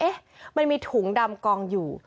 มันมีถุงดำกองอยู่